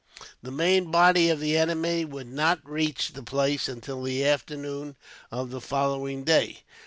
The main body of the enemy would not reach the place, until the afternoon of the following day.